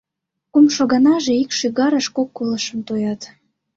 Кумшо ганаже — ик шӱгарыш кок колышым тоят.